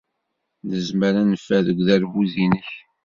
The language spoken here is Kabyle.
Nezmer ad neffer deg uderbuz-nnek?